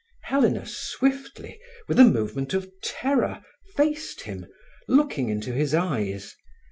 Helena swiftly, with a movement of terror, faced him, looking into his eyes.